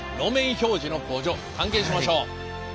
標示の工場探検しましょう！